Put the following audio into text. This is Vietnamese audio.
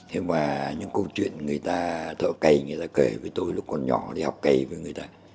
thế mà những câu chuyện người ta thợ cày người ta kể với tôi lúc còn nhỏ đi học cày với người ta